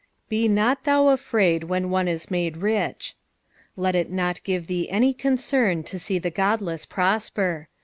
"Be not tkoa afraid wA*n one it made riA." Let it not give thea any concern to see the godless prosper.